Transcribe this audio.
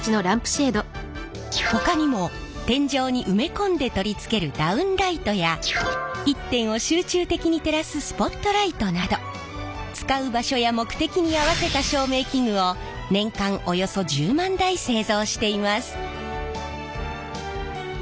ほかにも天井に埋め込んで取り付けるダウンライトや一点を集中的に照らすスポットライトなど使う場所や目的に合わせた照明器具を年間およそ１０万台製造しています。